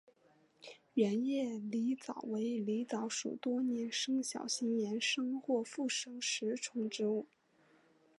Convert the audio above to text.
圆叶狸藻为狸藻属多年生小型岩生或附生食虫植物。